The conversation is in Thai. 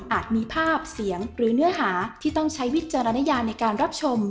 มีภาพเสียงหรือเนื้อหาที่ต้องใช้วิจารณญาในการรับชม